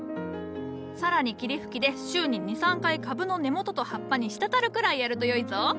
更に霧吹きで週に２３回株の根元と葉っぱに滴るくらいやるとよいぞ。